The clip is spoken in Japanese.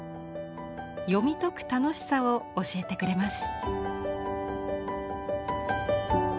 読み解く楽しさを教えてくれます。